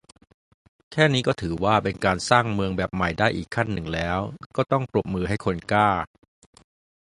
แค่นี้ก็ถือว่า เป็นการสร้างการเมืองแบบใหม่ได้อีกขั้นนึงแล้ว ก็ต้องปรบมือให้คนกล้า